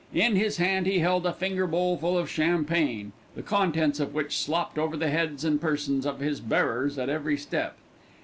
In his hand he held a finger bowl full of champagne, the contents of which slopped over the heads and persons of his bearers at every step.